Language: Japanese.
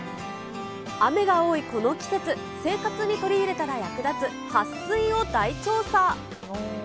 雨が多いこの季節、生活に取り入れたら役立つはっ水を大調査。